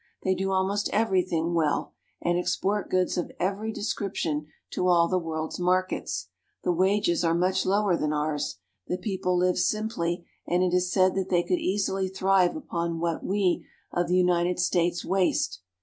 They do almost everything well, and export goods of every de scription to all the world's markets. The wages are much lower than ours. The people live simply, and it is said COMMERCIAL AND INDUSTRIAL JAPAN 89 that they could easily thrive upon what we of the United States waste.